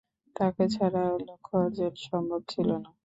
তাঁকে ছাড়া লক্ষ্য অর্জন সম্ভব ছিল না।